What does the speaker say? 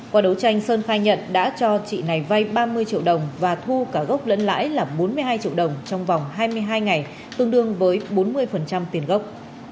qua đấu tranh sơn khai nhận đã cho chị này vay ba mươi triệu đồng và thu cả gốc lẫn lãi là bốn mươi hai triệu đồng trong vòng hai mươi hai ngày tương đương với bốn mươi tiền gốc